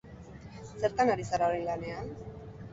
Zertan ari zara orain lanean?